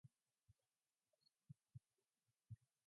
Black Beetle intends to use the Linear Men to bring Waverider to life.